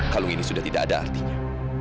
kalau ini sudah tidak ada artinya